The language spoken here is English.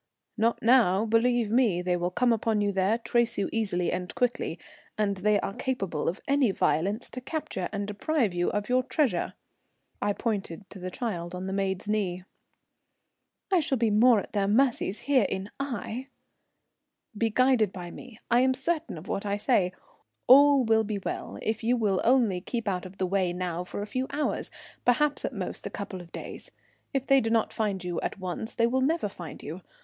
"Not now, believe me, they will come upon you there; trace you easily and quickly, and they are capable of any violence to capture and deprive you of your treasure." I pointed to the child on the maid's knee. "I shall be more at their mercy here in Aix." "Be guided by me. I am certain of what I say. All will be well if you will only keep out of the way now for a few hours, perhaps at most a couple of days. If they do not find you at once they will never find you.